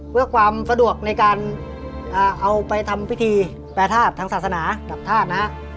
เพื่อความสะดวกในการเอาไปทำพิธีแปรทาสทางศาสนากับธาตุนะ